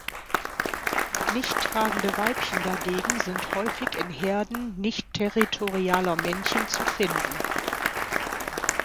Nichttragende Weibchen dagegen sind häufig in Herden nicht territorialer Männchen zu finden.